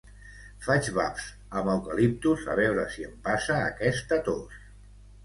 Faig bafs amb eucaliptus a veure si em passa aquesta tos